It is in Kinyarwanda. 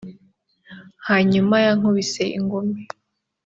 hanyuma yankubise ingumi